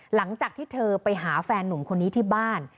หลังจากที่เธอไปหาแฟนหนุ่มคนนี้ที่บ้าน